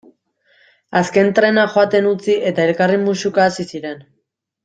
Azken trena joaten utzi eta elkarri musuka hasi ziren.